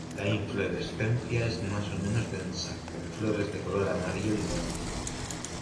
La inflorescencia es más o menos densa, con flores de color amarillo limón.